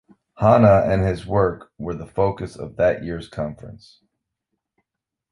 Hannah and his work were the focus of that year's conference.